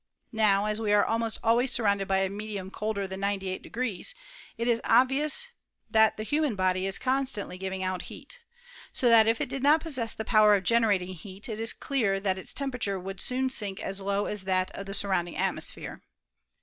Now as we are almost always surrounded by a medium colder than 98", it is obvious that the human body is constantly giving out heat ; so that if it did not possess the power of generating heat, it is clear that its tem perature would soon sink as low as that of the sur rounding atmosphere.